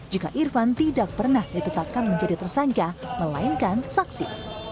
jika irfan tidak pernah ditetapkan menjadi tersangka melainkan saksi